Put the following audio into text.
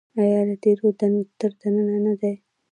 آیا له تیرو تر ننه نه دی؟